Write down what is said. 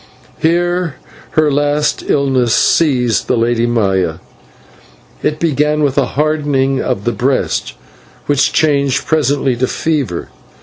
Here her last illness seized the Lady Maya. It began with a hardening of the breast, which changed presently to fever.